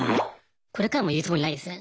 これからも言うつもりないですね。